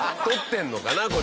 取ってんのかな？